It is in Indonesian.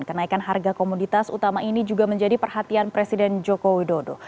kenaikan harga komoditas utama ini juga menjadi perhatian presiden joko widodo